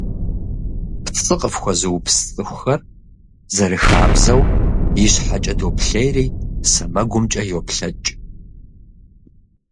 ПцӀы къыфхуэзыупс цӀыхухэр, зэрыхабзэу, ищхьэкӀэ доплъейри, сэмэгумкӀэ йоплъэкӀ.